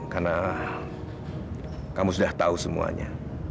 karena kamu sudah tahu semuanya